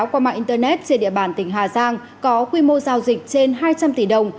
qua mạng internet trên địa bàn tỉnh hà giang có quy mô giao dịch trên hai trăm linh tỷ đồng